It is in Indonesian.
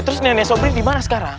terus nenek sobri di mana sekarang